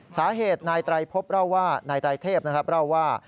สาเหตุนายไตรพบนายไตรเทพเล่าว่า